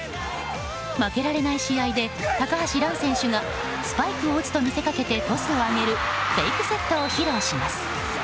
負けられない試合で高橋藍選手がスパイクを打つと見せかけてトスを上げるフェイクセットを披露します。